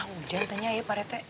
ah hujan ternyanya ya pak rete